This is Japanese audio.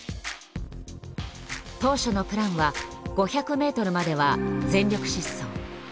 当初のプランは５００ｍまでは全力疾走。